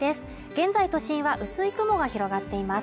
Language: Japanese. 現在都心は薄い雲が広がっています